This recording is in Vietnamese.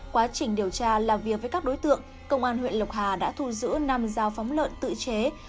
quá trình điều tra làm việc với các đối tượng công an huyện lộc hà đã thu giữ năm dao phóng lợn tự chế